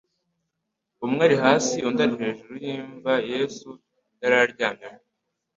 umwe ari hasi undi ari hejuru y' imva Yesu yari aryamyemo.